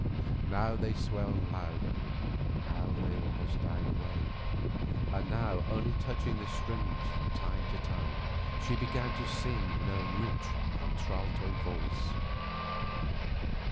Now they swelled louder, now they almost died away; and now, only touching the strings from time to time, she began to sing in her rich, contralto voice.